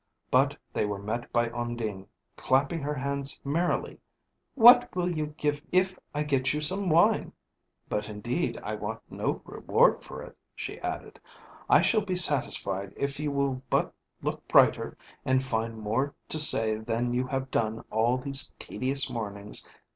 But they were met by Undine, clapping her hands merrily. "What will you give me if I get you some wine? But, indeed, I want no reward for it," she added; "I shall be satisfied if you will but look brighter, and find more to say than you have done all these tedious mornings.